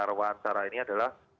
saya dengar wawancara ini adalah